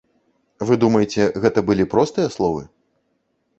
Вы думаеце гэта былі простыя словы?